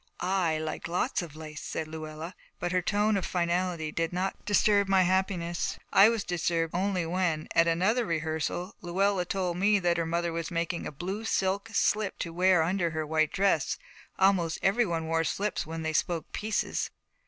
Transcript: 'I like lots of lace,' said Luella; but her tone of finality did not disturb my happiness. I was disturbed only when, at another rehearsal, Luella told me that her mother was making a blue silk slip to wear under her white dress. Almost everyone wore slips when they spoke pieces.